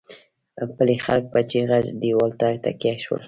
پلې خلک په چيغه دېوال ته تکيه شول.